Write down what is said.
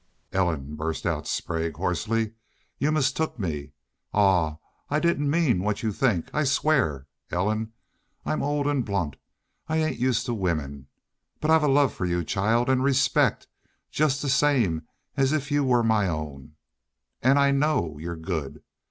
"Ellen!" burst out Sprague, hoarsely. "You mistook me. Aw, I didn't mean what you think, I swear.... Ellen, I'm old an' blunt. I ain't used to wimmen. But I've love for you, child, an' respect, jest the same as if you was my own.... An' I KNOW you're good....